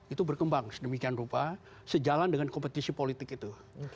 itu berkembang sedemikian rupa sejalan dengan kompetisi politik itu